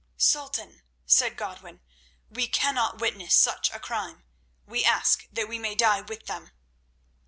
"Sultan," said Godwin, "we cannot witness such a crime; we ask that we may die with them."